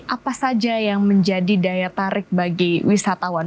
apa saja yang menjadi daya tarik bagi wisatawan